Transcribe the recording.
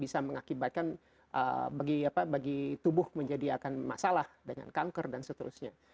bisa mengakibatkan bagi tubuh menjadi akan masalah dengan kanker dan seterusnya